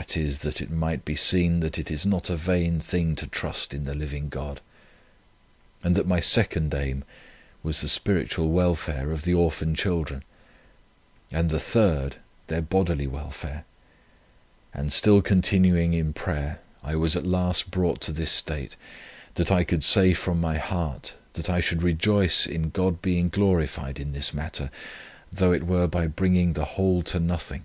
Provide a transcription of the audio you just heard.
e._, that it might be seen that it is not a vain thing to trust in the living God, and that my second aim was the spiritual welfare of the orphan children, and the third their bodily welfare; and still continuing in prayer, I was at last brought to this state, that I could say from my heart, that I should rejoice in God being glorified in this matter, though it were by bringing the whole to nothing.